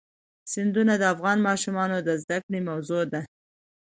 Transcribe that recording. سیندونه د افغان ماشومانو د زده کړې موضوع ده.